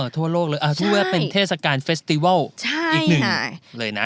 อ๋อทั่วโลกเลยทั่วเป็นเทศกาลเฟสติวัลอีกหนึ่ง